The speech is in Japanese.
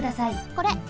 これ！